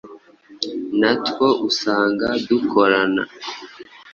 na two usanga dukorana